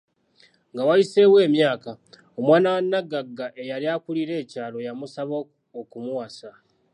Nga wayiseewo emyaaka, omwana wa naggagga eyali akulira ekyalo ya musaba okumuwasa.